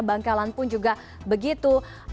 bangkalan pun juga begitu